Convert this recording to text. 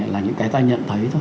là những cái ta nhận thấy thôi